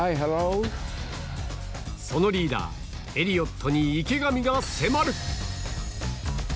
そのリーダー、エリオットに、池上が迫る。